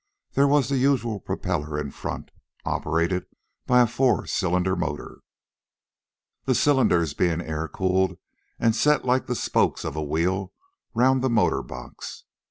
There was the usual propeller in front, operated by a four cylinder motor, the cylinders being air cooled, and set like the spokes of a wheel around the motor box.